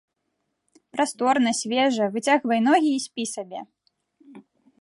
Прасторна, свежа, выцягвай ногі і спі сабе.